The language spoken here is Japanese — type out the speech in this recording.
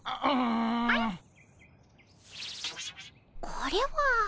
これは。